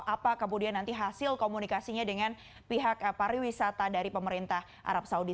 apa kemudian nanti hasil komunikasinya dengan pihak pariwisata dari pemerintah arab saudi